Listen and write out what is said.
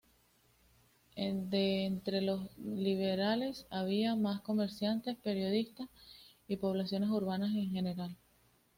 De entre los liberales había más comerciantes, periodistas, y poblaciones urbanas en general.